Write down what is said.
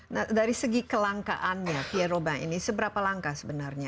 nah dari segi kelangkaannya pia roby ini seberapa langka sebenarnya